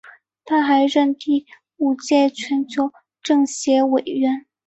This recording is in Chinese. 他还任第五届全国政协委员。